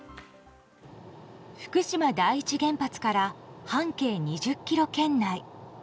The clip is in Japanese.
福島第一原発から半径２０ｋｍ圏内。